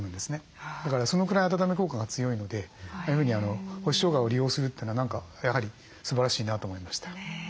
だからそのくらい温め効果が強いのでああいうふうに干ししょうがを利用するというのは何かやはりすばらしいなと思いました。